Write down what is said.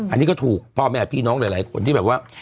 อันนี้ก็ถูกพ่อแม่พี่น้องหลายคนที่แบบว่า